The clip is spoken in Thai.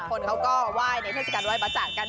คนเขาก็ไหว้ในเทศกัณฑ์ไว้ประจ่างกัน